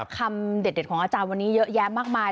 คำเด็ดของอาจารย์วันนี้เยอะแยะมากมาย